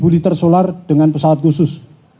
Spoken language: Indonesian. empat ribu liter solar dengan pesawat khusus